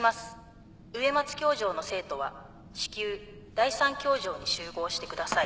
植松教場の生徒は至急第３教場に集合してください。